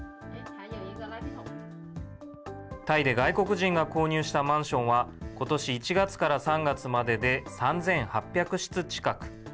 タイで外国人が購入したマンションは、ことし１月から３月までで３８００室近く。